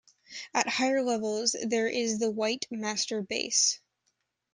At higher levels, there is the white master base.